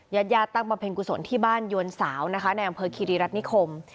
ญาติญาติตั้งบำเพ็ญกุศลที่บ้านยวนสาวนะคะในอำเภอคีรีรัฐนิคม